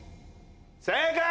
正解！